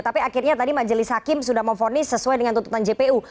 tapi akhirnya tadi majelis hakim sudah memfonis sesuai dengan tuntutan jpu